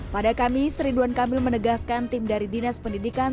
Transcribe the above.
pada kamis ridwan kamil menegaskan tim dari dinas pendidikan